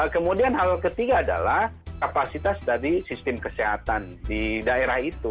kemudian hal ketiga adalah kapasitas dari sistem kesehatan di daerah itu